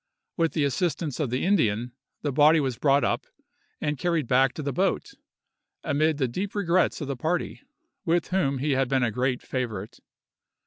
With the assistance of the Indian, the body was brought up and carried back to the boat, amid the deep regrets of the party, with whom he had been a great favorite.